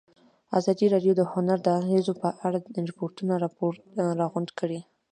ازادي راډیو د هنر د اغېزو په اړه ریپوټونه راغونډ کړي.